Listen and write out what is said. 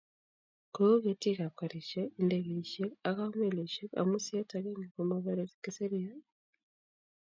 Kou ketiikab garisyek, indegeisyek ako melisyek amu sieet agenge komabaraei kisirya.